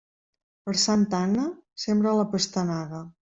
Per Santa Anna, sembra la pastanaga.